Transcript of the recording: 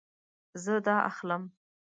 زه دا اخلم